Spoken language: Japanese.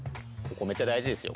めっちゃ大事ですよ